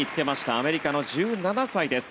アメリカの１７歳です。